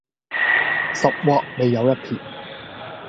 十劃未有一撇